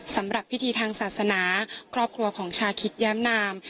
สำหรับพิธีทางศาสนาครอบครัวของชาคิดแย้มนาม